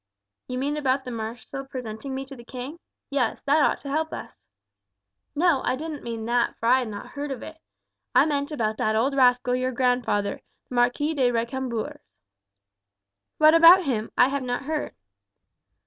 "You mean about the marshal presenting me to the king? Yes, that ought to help us." "No, I didn't mean that, for I had not heard of it. I mean about that old rascal your grandfather, the Marquis de Recambours." "What about him? I have not heard."